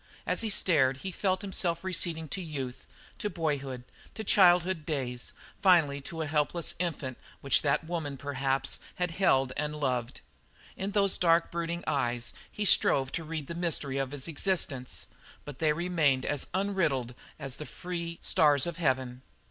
As he stared he felt himself receding to youth, to boyhood, to child days, finally to a helpless infant which that woman, perhaps, had held and loved. In those dark, brooding eyes he strove to read the mystery of his existence, but they remained as unriddled as the free stars of heaven.